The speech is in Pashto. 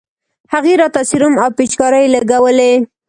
هغې راته سيروم او پيچکارۍ لګولې.